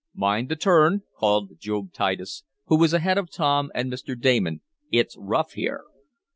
"Mind the turn!" called Job Titus, who was ahead of Tom and Mr. Damon. "It's rough here."